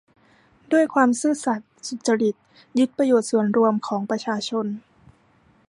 ด้วยความซื่อสัตย์ สุจริต ยึดประโยชน์ส่วนรวมของประชาชน